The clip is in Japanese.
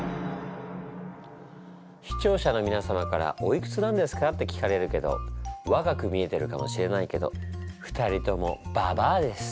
視聴者のみなさまから「おいくつなんですか」って聞かれるけど若く見えてるかもしれないけど２人ともババアです。